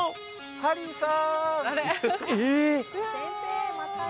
ハリーさん